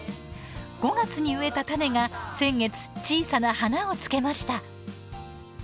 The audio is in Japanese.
５月に植えた種が先月、小さな花をつけました。